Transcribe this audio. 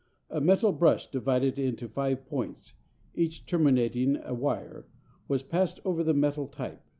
A metal brush, divided into five points, each terminating a wire, was passed over the metal type.